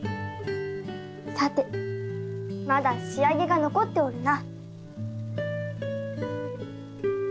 さてまだ仕上げが残っておるな。